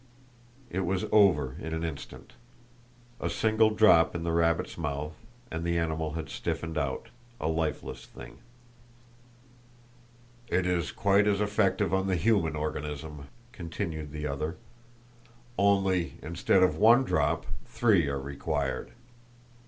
It was over in an instant. A single drop in the rabbit's mouth, and the animal had stiffened out, a lifeless thing. "It is quite as effective on the human organism," continued the other, "only, instead of one drop, three are required.